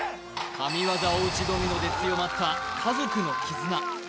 神業お家ドミノで強まった家族の絆